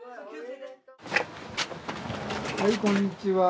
はいこんにちは。